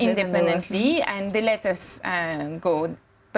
tidak dan mereka membiarkannya